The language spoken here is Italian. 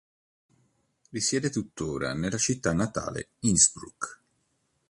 Risiede tuttora nella città natale Innsbruck.